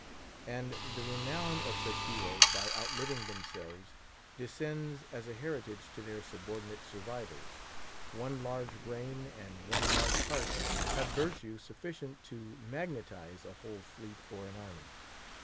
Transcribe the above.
And the renown of such heroes, by outliving themselves, descends as a heritage to their subordinate survivors. One large brain and one large heart have virtue sufficient to magnetise a whole fleet or an army.